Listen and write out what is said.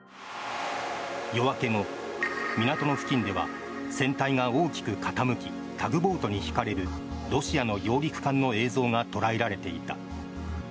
夜明け後の港の付近では船体が大きく傾きタグボートに引かれるロシアの揚陸艦の映像が捉えられていた。